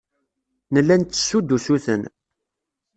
Nella nttessu-d usuten.